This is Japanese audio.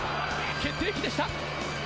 決定機でした。